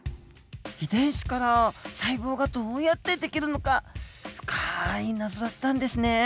遺伝子から細胞がどうやってできるのか深い謎だったんですね。